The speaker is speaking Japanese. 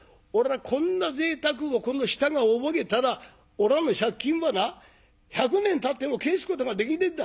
こんなぜいたくをこの舌が覚えたらおらの借金はな１００年たっても返すことができねんだ。